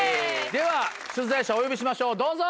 では出題者お呼びしましょうどうぞ。